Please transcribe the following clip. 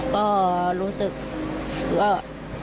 ก็รู้สึกว่า